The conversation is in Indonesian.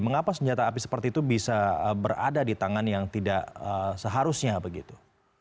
mengapa senjata api seperti itu bisa berada di tangan yang tidak seharusnya begitu